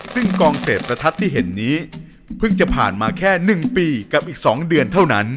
ซึ่งกองเศษประทัดที่เห็นนี้เพิ่งจะผ่านมาแค่๑ปีกับอีก๒เดือนเท่านั้น